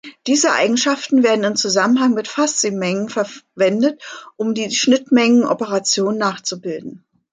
Diese Eigenschaften werden im Zusammenhang mit Fuzzy-Mengen verwendet, um die Schnittmengen-Operation nachzubilden.